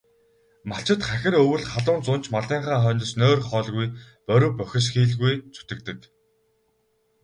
Малчид хахир өвөл, халуун зун ч малынхаа хойноос нойр, хоолгүй борви бохисхийлгүй зүтгэдэг.